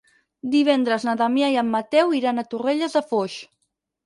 Divendres na Damià i en Mateu iran a Torrelles de Foix.